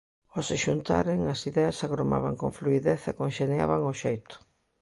Ao se xuntaren, as ideas agromaban con fluidez e conxeniaban ao xeito.